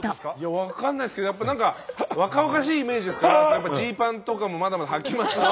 分かんないですけどやっぱ何か若々しいイメージですからジーパンとかもまだまだはきますよね。